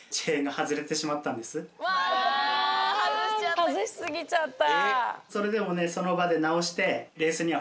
外し過ぎちゃった。